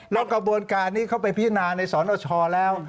แล้วกระบวนการนี้เขาไปพิจารณาในสรณชอแล้ว